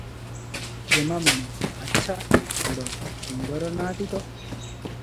"ଯେମାମଣି! ଆଚ୍ଛା ବଡ ସୁନ୍ଦର ନାଁ ଟି ତ?